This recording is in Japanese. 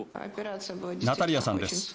ナタリヤさんです。